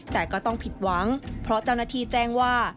แต่ก็ต้องผิดหวังเพราะเจ้าหน้าที่แจ้งว่า